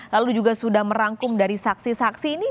lalu juga sudah merangkum dari saksi saksi ini